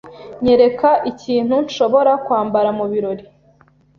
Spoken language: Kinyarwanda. Nyereka ikintu nshobora kwambara mubirori.